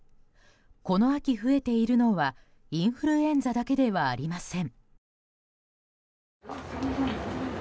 この秋増えているのはインフルエンザだけではありません。